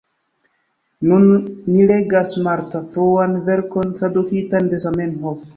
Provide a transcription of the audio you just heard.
Nun ni legas Marta, fruan verkon tradukitan de Zamenhof.